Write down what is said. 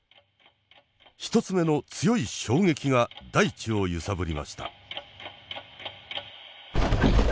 １つ目の強い衝撃が大地を揺さぶりました。